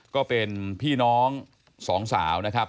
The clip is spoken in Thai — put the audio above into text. ก็เป็นพี่น้องสองสาวนะครับ